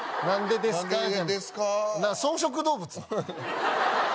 何でですか？